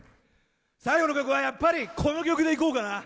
最後の曲はやっぱりこの曲で行こうかな。